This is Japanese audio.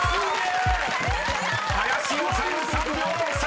［林修３秒６３！］